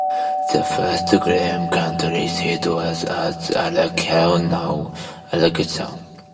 The first Gilliam county seat was at Alkali, now Arlington.